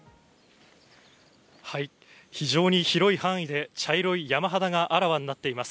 はい、非常に広い範囲で茶色い山肌があらわになっています。